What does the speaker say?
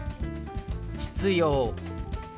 「必要」。